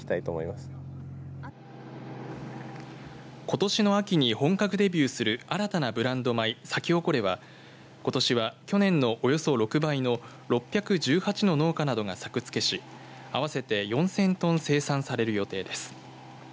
ことしの秋に本格デビューする新たなブランド米、サキホコレはことしは去年のおよそ６倍の６１８の農家などが作付けし合わせて４０００トン生産される予定です。